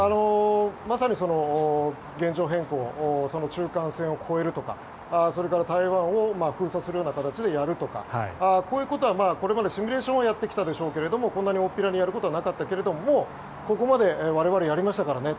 まさに現状変更中間線を越えるとかそれから台湾を封鎖するような形でやるとかこういうことはこれまでシミュレーションはやってきたでしょうけどこんなに大っぴらにやることはなかったけどもうここまで我々やりましたからね